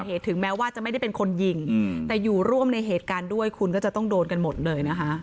ถึงแม้ว่าจะไม่ได้เป็นคนยิงแต่อยู่ร่วมในเหตุการณ์ด้วยคุณก็จะต้องโดนกันหมดเลยนะคะ